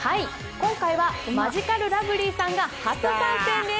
今回はマヂカルラブリーさんが初参戦です。